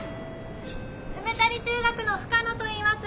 梅谷中学の深野といいます。